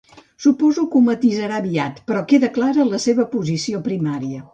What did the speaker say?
Suposo que ho matisarà aviat, però queda clara la seva posició primària.